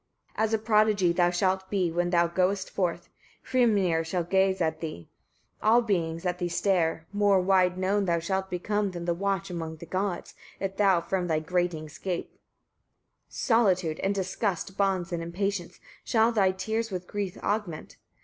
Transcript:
28. As a prodigy thou shalt be, when thou goest forth; Hrimnir shall at thee gaze, all beings at thee stare; more wide known thou shalt become than the watch among the gods, if thou from thy gratings gape. 29. Solitude and disgust, bonds and impatience, shall thy tears with grief augment.